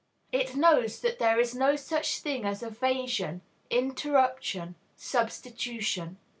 It knows that there is no such thing as evasion, interruption, substitution.